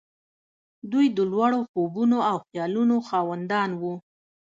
دوی د لوړو خوبونو او خيالونو خاوندان وو.